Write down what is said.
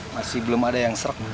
masih belum ada yang serk